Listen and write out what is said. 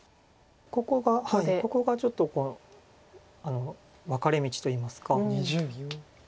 ここがちょっと分かれ道といいますか。